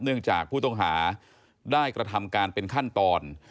เนื่องจากผู้ต้องหาได้กระทำการเป็นขั้นตอน